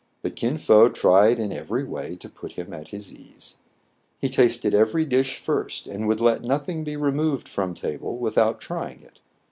But Kin Fo tried in every way to put him at his ease. 94 TRIBULATIONS OF A CHINAMAU, He tasted every dish first, and would let nothing be removed from table without trying it.